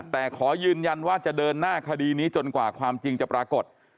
แต่ขอยืนยันว่าจะเดินหน้าคดีนี้จนกว่าความจริงจะปรากฏ